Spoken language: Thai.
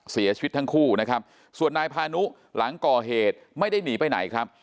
เสียชีวิตทั้งคู่นะครับส่วนนายพานุหลังก่อเหตุไม่ได้หนีไปไหนครับ